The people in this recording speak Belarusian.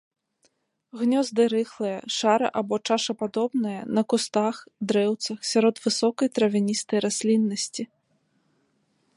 Гнёзды рыхлыя, шара- або чашападобныя на кустах, дрэўцах, сярод высокай травяністай расліннасці.